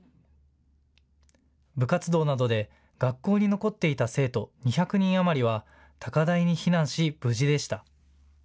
部活動などで学校に残っていた生徒２００人余りは高台に避難し、無事でした。